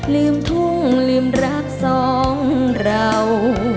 ลืมทุ่งลืมรักสองเรา